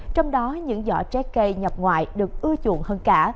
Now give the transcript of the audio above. trong đó những giỏ trái cây nhập ngoại được ưa chuộng hơn cả